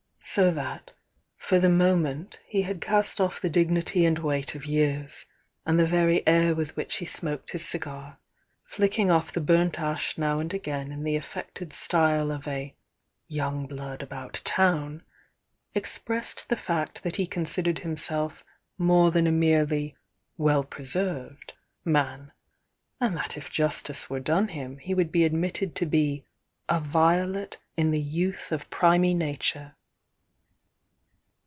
So that for the moment he had cast off the dig .ity and weight of years, and the very air with which he smoked his cigar, flicking off the burnt ash now and again in the affected style of a "young blood about town," expressed the fact that he considered him self more than a merely "well preserved" man, and that if justice were done him he would be admitted to be "a violet in the youth of primy nature."